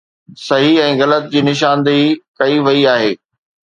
صحيح ۽ غلط جي نشاندهي ڪئي وئي آهي